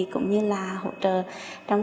cũng như là hỗ trợ